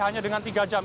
hanya dengan tiga jam